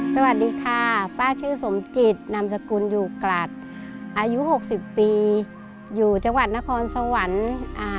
สวัสดีค่ะป้าชื่อสมจิตนามสกุลอยู่กลัดอายุหกสิบปีอยู่จังหวัดนครสวรรค์อ่า